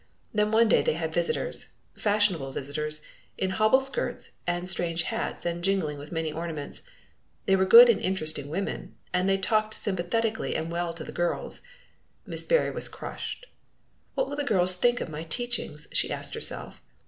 Then one day they had visitors, fashionable visitors, in hobble skirts and strange hats and jingling with many ornaments. They were good and interesting women, and they talked sympathetically and well to the girls. Miss Berry was crushed. "What will the girls think of my teachings?" she asked herself.